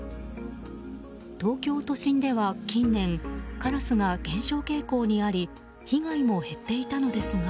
東京都心では近年カラスが減少傾向にあり被害も減っていたのですが。